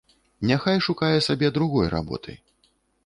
Няхай шукае сабе другой работы.